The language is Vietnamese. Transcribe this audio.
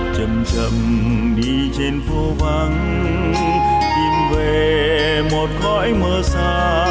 chầm chầm đi trên phố vắng tìm về một cõi mưa xa